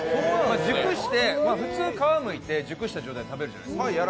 熟して、普通、皮をむいて熟したのを食べるじゃないですか。